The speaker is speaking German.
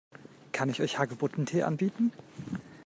Kann ich euch Hagebuttentee anbieten?